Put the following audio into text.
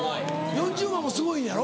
４０万もすごいんやろ？